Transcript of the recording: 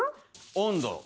温度。